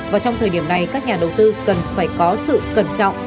và trong thời điểm này các nhà đầu tư cần phải có sự cẩn trọng